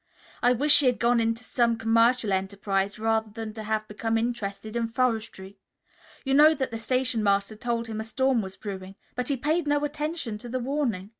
"I wish he had gone into some commercial enterprise rather than to have become interested in forestry. You know that the station master told him a storm was brewing, but he paid no attention to the warning."